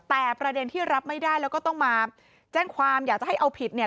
แต่ประเด็นที่รับไม่ได้แล้วก็ต้องมาแจ้งความอยากจะให้เอาผิดเนี่ย